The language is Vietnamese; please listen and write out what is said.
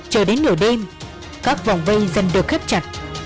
chờ đến nửa đêm các vòng vây dần được khép chặt